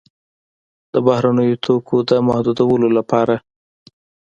د بهرنیو توکو د محدودولو لپاره.